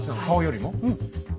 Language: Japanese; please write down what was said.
顔よりも？